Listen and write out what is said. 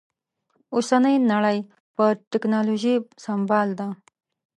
اوسنۍ نړۍ په ټکنالوژي سمبال ده